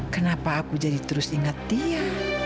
kenapa aku jadi terus ingat dia